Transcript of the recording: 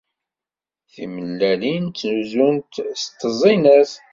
Timellalin ttnuzunt s tteẓẓinat.